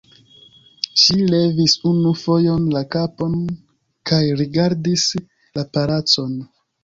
Ŝi levis unu fojon la kapon kaj rigardis la palacon.